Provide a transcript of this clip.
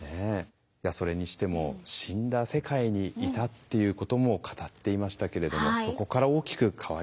それにしても「死んだ世界にいた」っていうことも語っていましたけれどもそこから大きく変わりましたよね。